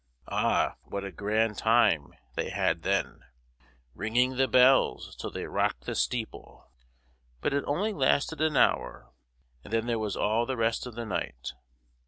Ah! what a grand time they had then, "ringing the bells till they rocked the steeple;" but it only lasted an hour, and then there was all the rest of the night.